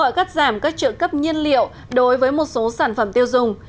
bộ ngoại giao italia đã kêu gọi cắt giảm các trượng cấp nhiên liệu đối với một số sản phẩm tiêu dùng